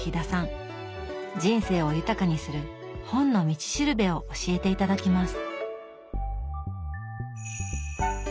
人生を豊かにする「本の道しるべ」を教えて頂きます。